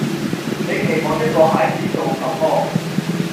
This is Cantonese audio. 你期望一個孩子做什麼？